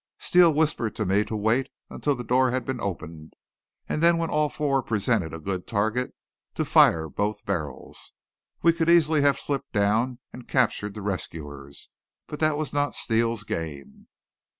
Steele whispered to me to wait until the door had been opened, and then when all four presented a good target, to fire both barrels. We could easily have slipped down and captured the rescuers, but that was not Steele's game.